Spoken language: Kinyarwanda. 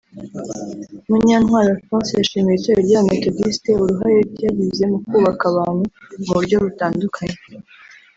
Munyantwari Alphonse yashimiye itorero ry’Abametodisite uruhare ryagize mu kubaka abantu mu buryo butandukanye